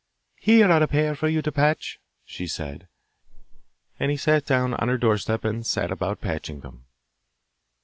'Here are a pair for you to patch,' she said. And he sat down on her doorstep and set about patching them.